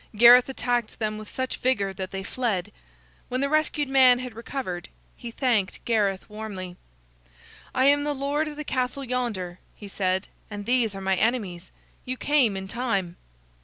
Gareth attacked them with such vigor that they fled. When the rescued man had recovered, he thanked Gareth warmly. "I am the lord of the castle yonder," he said, "and these are my enemies. You came in time."